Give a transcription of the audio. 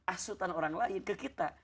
asutan orang lain ke kita